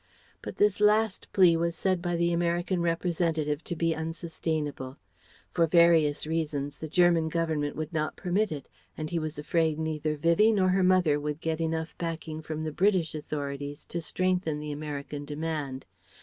But this last plea was said by the American representative to be unsustainable. For various reasons, the German Government would not permit it, and he was afraid neither Vivie nor her mother would get enough backing from the British authorities to strengthen the American demand.